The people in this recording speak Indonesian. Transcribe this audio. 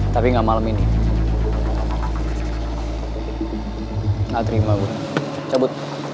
tata nya aja yang rabun tau